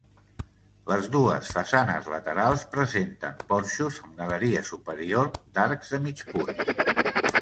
Les dues façanes laterals presenten porxos amb galeria superior d'arcs de mig punt.